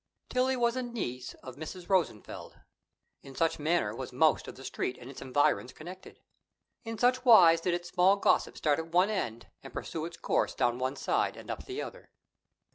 Tillie was a niece of Mrs. Rosenfeld. In such manner was most of the Street and its environs connected; in such wise did its small gossip start at one end and pursue its course down one side and up the other.